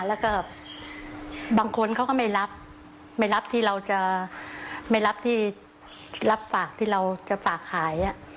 แล้วก็บางคนเขาก็ไม่รับไม่รับที่เราจะไม่รับที่รับฝากที่เราจะฝากขาย